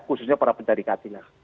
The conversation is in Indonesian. khususnya para pencari katil